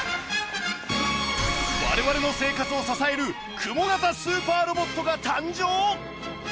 我々の生活を支えるクモ型スーパーロボットが誕生！？